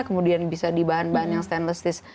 kemudian bisa di bahan bahan yang stainless steel